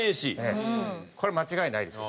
これ間違いないですよ。